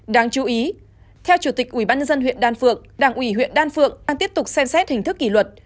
đáng chú ý theo chủ tịch ubnd huyện đan phượng đảng ủy huyện đan phượng đang tiếp tục xem xét hình thức kỷ luật